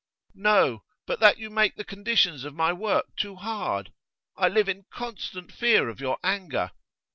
'No. But that you make the conditions of my work too hard. I live in constant fear of your anger.